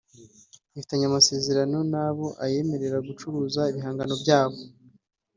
ifitanye amasezerano nabo ayemerera gucuruza ibihangano byabo